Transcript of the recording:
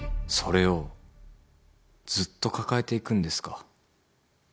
「それをずっと抱えていくんですか？」